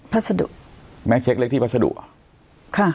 ภาษาดุแม่เช็กเลขที่ภาษาดุอ่ะค่ะ